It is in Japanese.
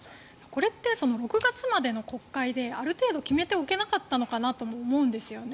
これって６月までの国会である程度決めておけなかったのかなとも思うんですよね。